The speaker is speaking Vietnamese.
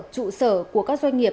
trụ sở của các doanh nghiệp